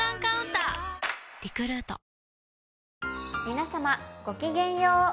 皆様ごきげんよう。